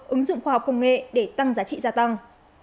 ứng dụng khoa học công nghệ để tăng giá trị gia tăng